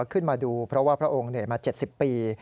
ขึ้นมาดูเพราะว่าพระองค์เหนื่อยมา๗๐ปี